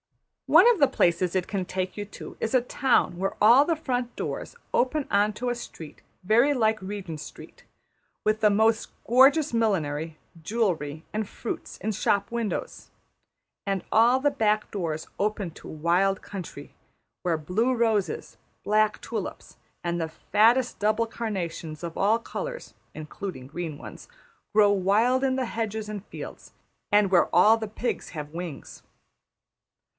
One of the places it can take you to is a town where all the front doors open on to a street very like Regent Street; with the most gorgeous millinery, jewellery, and fruits in shop windows; and all the back doors open to wild country where blue roses, black tulips, and the fattest double carnations of all colours (including green ones) grow wild in the hedges and fields; and where all the pigs have wings.